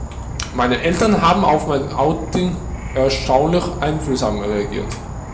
Meine Eltern haben auf mein Outing erstaunlich einfühlsam reagiert.